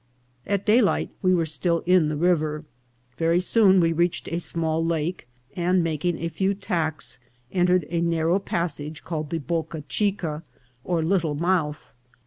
At daylight we were still in the river. Very soon we reached a small lake, and, making a few tacks, en tered a narrow passage called the Boca Chico, or Lit tle Mouth.